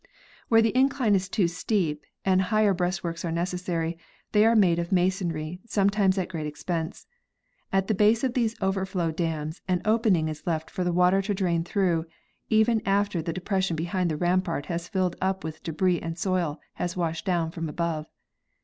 Where the incline is too steep and higher breastworks are necessary, they are made of masonry, sometimes at great expense. At the base of these overflow dams an opening is left for the water to drain through, even after the depression behind the rampart has filled up with débris and soil has washed down from above.